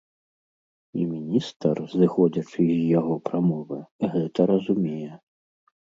І міністр, зыходзячы з яго прамовы, гэта разумее!